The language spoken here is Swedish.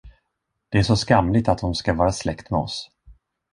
Det är så skamligt, att de skall vara släkt med oss.